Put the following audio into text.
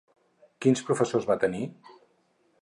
Quins professors va tenir?